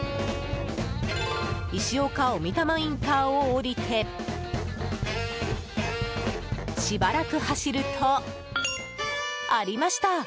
石岡小美玉インターを下りてしばらく走るとありました。